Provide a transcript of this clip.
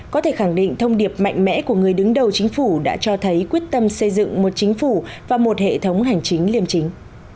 có thể khẳng định thông điệp mạnh mẽ của người đứng đầu chính phủ đã cho thấy quyết tâm xây dựng một chính phủ và một hệ thống hành chính liêm chính